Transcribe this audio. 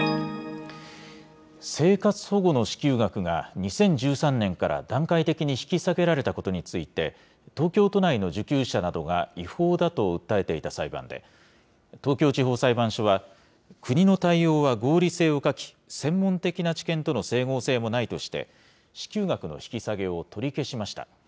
生活保護の支給額が２０１３年から段階的に引き下げられたことについて、東京都内の受給者などが違法だと訴えていた裁判で、東京地方裁判所は、国の対応は合理性を欠き、専門的な知見との整合性もないとして、支給額の引き下げを取り消しました。